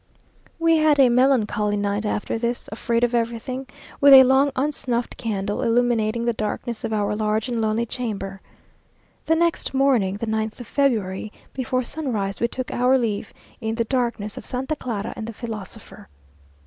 We had a melancholy night after this, afraid of everything, with a long unsnuffed candle illuminating the darkness of our large and lonely chamber. The next morning, the ninth of February, before sunrise, we took our leave, in the darkness, of Santa Clara and the philosopher.